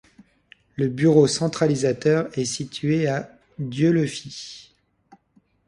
Le bureau centralisateur est situé à Dieulefit.